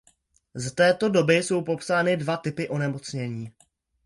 Z této doby jsou popsány dva typy onemocnění.